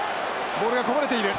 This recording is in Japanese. ボールがこぼれている！